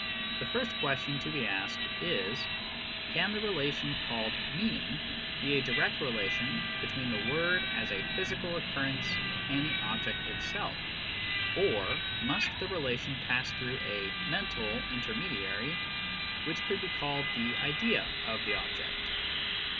The first question to be asked is : Can the relation called " meaning " be a direct 8 BERTRAND RUSSELL. relation between the word as a physical occurrence and the object itself, or must the relation pass through a " mental " intermediary, which could be called the "idea " of the object